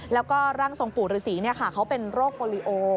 แล้วก็ร่างทรงปู่ฤษีเขาเป็นโรคโปรลิโอ